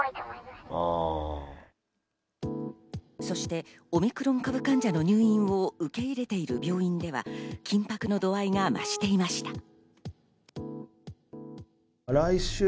そしてオミクロン株患者の入院を受け入れている病院では緊迫の度合いが増していました。